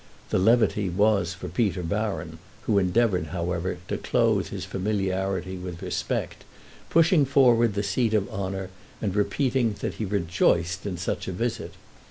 The levity was for Peter Baron, who endeavoured, however, to clothe his familiarity with respect, pushing forward the seat of honour and repeating that he rejoiced in such a visit.